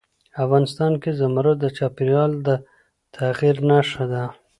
افغانستان کې زمرد د چاپېریال د تغیر نښه ده.